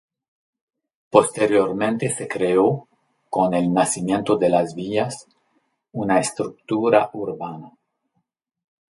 Posteriormente se creó, con el nacimiento de las villas, una estructura urbana.